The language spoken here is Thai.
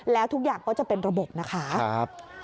แล้วทุกอย่างก็จะเป็นระบบนะคะ